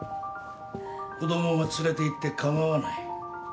子供は連れていって構わない。